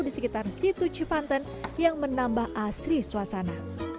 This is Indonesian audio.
di sekitar situ cipanten yang menambah asri suasana